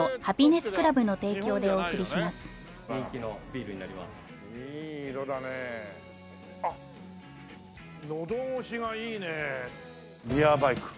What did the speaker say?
ビアバイク。